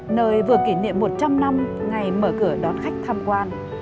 nơi vừa kỷ niệm một trăm linh năm ngày mở cửa đón khách tham quan